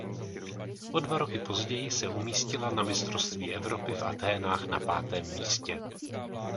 O dva roky později se umístila na mistrovství Evropy v Athénách na pátém místě.